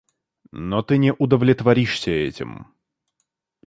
Но ты не удовлетворишься этим.